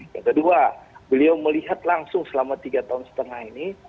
yang kedua beliau melihat langsung selama tiga tahun setengah ini